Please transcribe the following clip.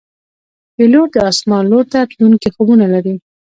پیلوټ د آسمان لور ته تلونکي خوبونه لري.